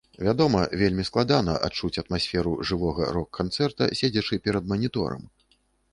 Вядома, вельмі складана адчуць атмасферу жывога рок-канцэрта, седзячы перад маніторам.